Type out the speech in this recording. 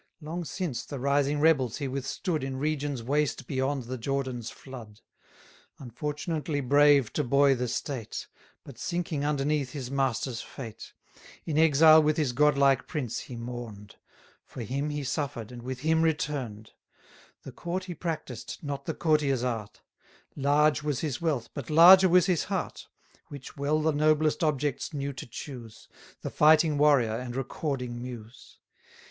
Long since, the rising rebels he withstood In regions waste beyond the Jordan's flood: 820 Unfortunately brave to buoy the state; But sinking underneath his master's fate: In exile with his godlike prince he mourn'd; For him he suffer'd, and with him return'd. The court he practised, not the courtier's art: Large was his wealth, but larger was his heart, Which well the noblest objects knew to choose, The fighting warrior, and recording muse.